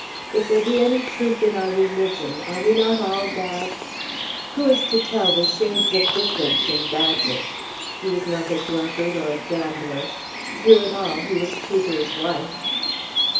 "If there be any truth in our religion, are we not all bad? Who is to tell the shades of difference in badness? He was not a drunkard, or a gambler. Through it all he was true to his wife."